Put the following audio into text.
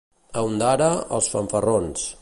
A Ondara, els fanfarrons.